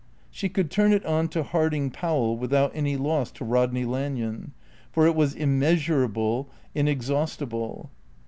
She could turn it on to Harding Powell without any loss to Rodney Lanyon; for it was immeasurable, inexhaustible.